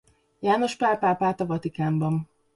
János Pál pápát a Vatikánban.